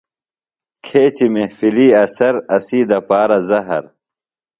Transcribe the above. کھیچیۡ محفلی اثر ، اسی دپارہ زہر